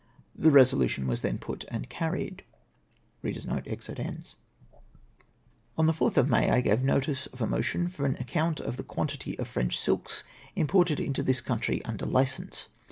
" The resolution was then put and carried." On the 4tli of May, I gave notice of a motion for an acconnt of the quantity of French silks imported into this country under hcence.